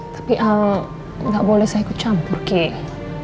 tapi ah gak boleh saya ikut campur kiki